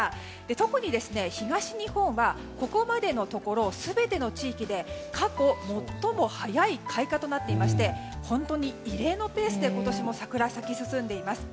特に、東日本はここまでのところ全ての地域で過去最も早い開花となっていまして本当に異例のペースで今年も、桜咲き進んでいます。